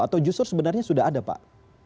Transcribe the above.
atau justru sebenarnya sudah ada pak